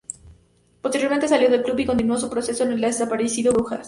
Posteriormente salió del club y continuó su proceso en el desaparecido Brujas.